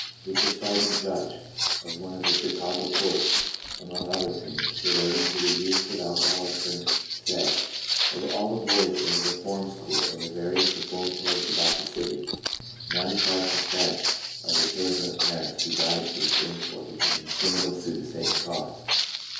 A presiding judge of one of the Chicago courts, among other things relating to the use of alcoholic drinks, said :" Of all the boys in the reform school and the various reformatories about the city, 95 per cent, are the children of parents who died through drink or became criminals through the same cause.